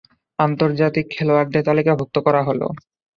আন্তর্জাতিক খেলোয়াড়দের তালিকাভুক্ত করা হল।